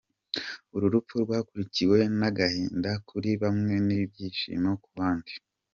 Uru rupfu rwakurikiwe n’agahinda kuri bamwe n’ibyishimo ku bandi.